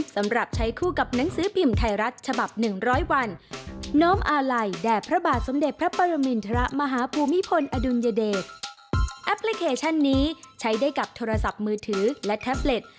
สำหรับโทรศัพท์มือถือและแท็บเล็ต